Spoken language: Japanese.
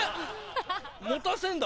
持たせんだ